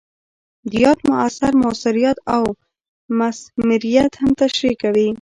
د یاد اثر مؤثریت او مثمریت هم تشریح کوي.